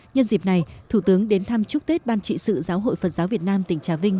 nhân dịp này thủ tướng đến thăm chúc tết ban trị sự giáo hội phật giáo việt nam tỉnh trà vinh